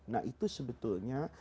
nah itu sebetulnya